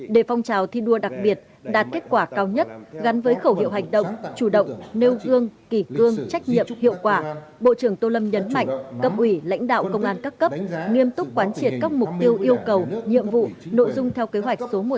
để phong trào thi đua đặc biệt đạt kết quả cao nhất gắn với khẩu hiệu hành động chủ động nêu gương kỳ cương trách nhiệm hiệu quả bộ trưởng tô lâm nhấn mạnh cấp ủy lãnh đạo công an các cấp nghiêm túc quán triệt các mục tiêu yêu cầu nhiệm vụ nội dung theo kế hoạch số một mươi hai